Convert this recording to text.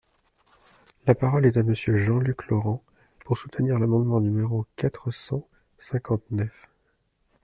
La parole est à Monsieur Jean-Luc Laurent, pour soutenir l’amendement numéro quatre cent cinquante-neuf.